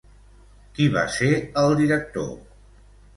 Qui va ser el director?